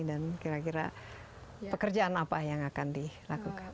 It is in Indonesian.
dan kira kira pekerjaan apa yang akan dilakukan